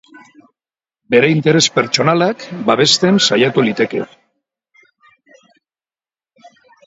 Bere interes pertsonalak babesten saiatu liteke.